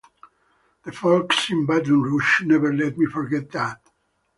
The folks in Baton Rouge never let me forget that.